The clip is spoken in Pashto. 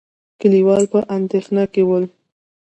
کليوال په اندېښنه کې ول.